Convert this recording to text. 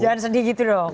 jangan sedih gitu dong